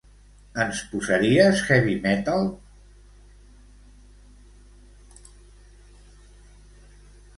Ens posaries heavy metal?